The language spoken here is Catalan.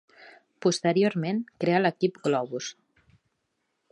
Posteriorment crea l'equip Globus.